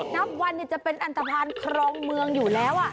นับวันเนี่ยจะเป็นอัรบท์ทางครองเมืองอยู่แล้ว